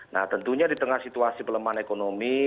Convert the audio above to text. nah tentunya di tengah situasi pelemahan ekonomi